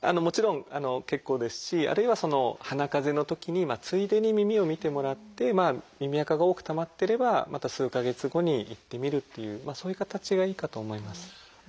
もちろん結構ですしあるいは鼻かぜのときについでに耳を診てもらって耳あかが多くたまってればまた数か月後に行ってみるっていうまあそういう形がいいかと思います。